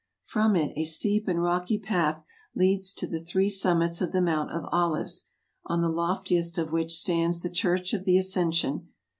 From it a steep and rocky path leads to the three summits of the Mount of Olives, on the loftiest of which stands the Church of the Ascension.